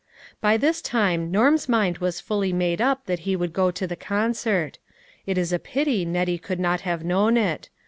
By this time Norm's mind was fully made up that he would go to the concert. It is a pity Nettie could not have known it.